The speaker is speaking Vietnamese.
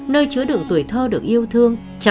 nơi chứa đựng tuổi thơ được yêu thương